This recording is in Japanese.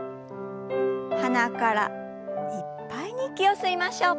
鼻からいっぱいに息を吸いましょう。